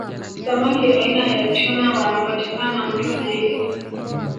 samaki aina ya tuna wanapatikana mto naili